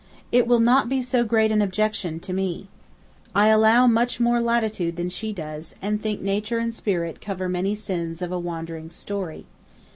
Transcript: It will not be so great an objection to me. I allow much more latitude than she does, and think nature and spirit cover many sins of a wandering story.